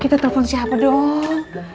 kita telepon siapa dong